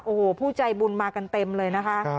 โอ้โหผู้ใจบุญมากันเต็มเลยนะคะ